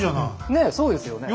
ねえそうですよね。